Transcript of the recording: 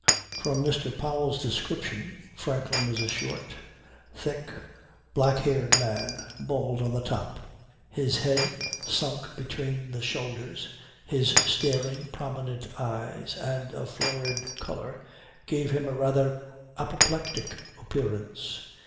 From Mr. Powell's description Franklin was a short, thick black haired man, bald on the top. His head sunk between the shoulders, his staring prominent eyes and a florid colour, gave him a rather apoplectic appearance.